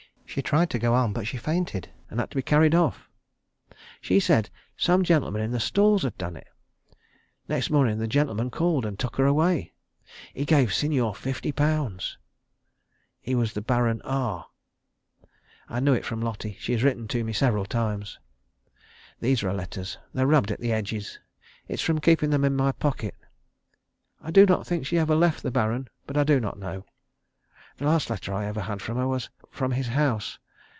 She tried to go on, but she fainted, and had to be carried off. She said some gentleman in the stalls had done it. Next morning the gentleman called and took her away. He gave the Signor 50_l_. He was the Baron R. I knew it from Lotty. She has written to me several times. These are her letters. They are rubbed at the edges. It is from keeping them in my pocket. I do not think she ever left the Baron, but I do not know. The last letter I ever had from her was from his house.